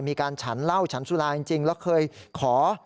ฉันเหล้าฉันสุราจริงแล้วเคยขอ